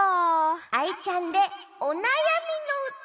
アイちゃんで「おなやみのうた」！